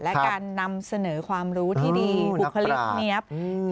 และการนำเสนอความรู้ที่ดีบุคลิกเนี๊ยบ